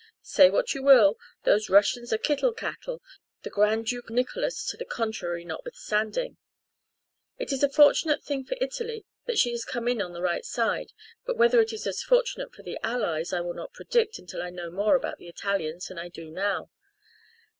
Say what you will, those Russians are kittle cattle, the grand duke Nicholas to the contrary notwithstanding. It is a fortunate thing for Italy that she has come in on the right side, but whether it is as fortunate for the Allies I will not predict until I know more about Italians than I do now.